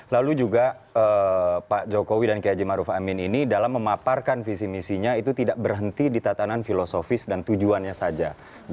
lalu juga pak jokowi dan kiai haji maruf amin ini dalam memaparkan visi misinya itu tidak berhenti di tatanan filosofis dan tujuannya saja